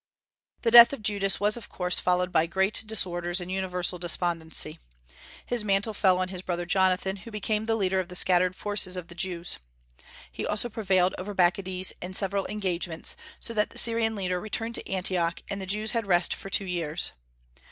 The death of Judas was of course followed by great disorders and universal despondency. His mantle fell on his brother Jonathan, who became the leader of the scattered forces of the Jews. He also prevailed over Bacchides in several engagements, so that the Syrian leader returned to Antioch, and the Jews had rest for two years.